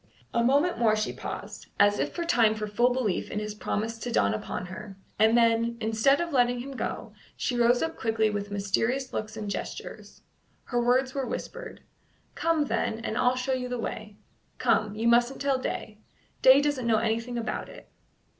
A moment more she paused, as if for time for full belief in his promise to dawn upon her, and then, instead of letting him go, she rose up quickly with mysterious looks and gestures. Her words were whispered: "Come, then, and I'll show you the way. Come; you mustn't tell Day. Day doesn't know anything about it."